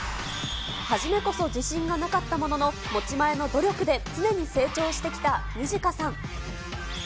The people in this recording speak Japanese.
初めこそ自信がなかったものの、持ち前の努力で常に成長してきたニジカさん。